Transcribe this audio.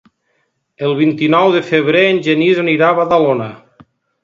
El vint-i-nou de febrer en Genís anirà a Badalona.